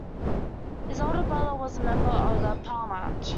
His older brother was a member of the "Palmach".